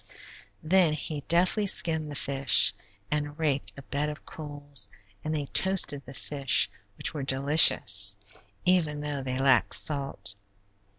Then he deftly skinned the fish, and raked a bed of coals, and they toasted the fish, which were delicious, even though they lacked salt.